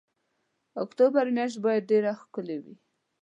اکتوبر میاشت باید ډېره ښکلې وي.